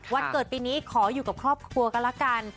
วันเกิดปีนี้ขออยู่กับครอบครัวกันละกัน